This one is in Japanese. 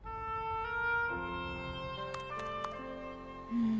うん。